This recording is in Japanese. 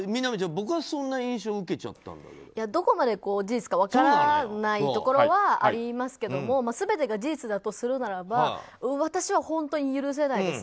僕はそんな印象をどこまで事実か分からないところはありますけども全てが事実だとするならば私は本当に許せないです。